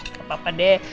gak apa apa deh